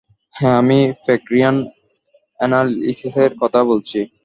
হ্যাঁ আমি গ্রেগরিয়ান এ্যানালিসিসের কথা বলছি।